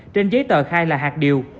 trên giấy tờ khai là hạt điều